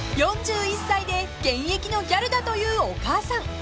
［４１歳で現役のギャルだというお母さん］